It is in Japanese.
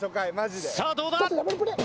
さあどうだ？